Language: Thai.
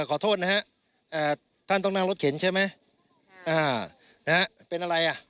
ขอโทษนะฮะอ่าท่านต้องนั่งรถเข็นใช่ไหมอ่านะฮะเป็นอะไรอ่ะ